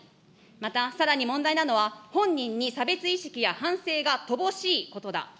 また、さらに問題なのは、本人に差別意識や反省が乏しいことだ。